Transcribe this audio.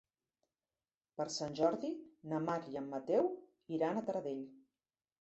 Per Sant Jordi na Mar i en Mateu iran a Taradell.